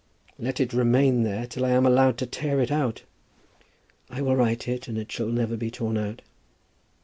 "Let it remain there till I am allowed to tear it out." "I will write it, and it shall never be torn out.